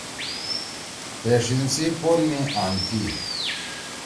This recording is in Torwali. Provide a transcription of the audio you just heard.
پیڜیِن سی پون می آن تھی۔